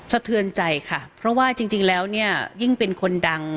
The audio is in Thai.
สะเทือนใจค่ะเพราะว่าจริงแล้วเนี่ยยิ่งเป็นคนดัง